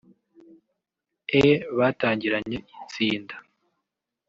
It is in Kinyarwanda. E batangiranye itsinda